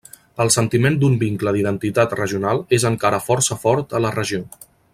El sentiment d'un vincle d'identitat regional és encara força fort a la regió.